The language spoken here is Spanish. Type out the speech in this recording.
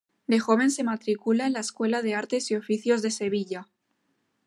De joven se matricula en la Escuela de Artes y Oficios de Sevilla.